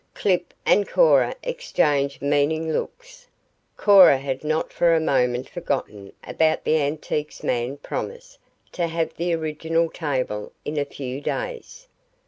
Clip and Cora exchanged meaning looks. Cora had not for a moment forgotten about the antique man's promise to have the original table in a few days.